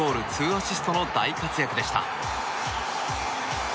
２アシストの大活躍でした。